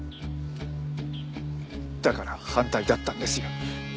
だから反対だったんですよ。